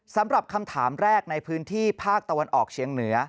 สำหรับคำถามแรกในพื้นที่ภาคตะวันออกเชียงเหนือ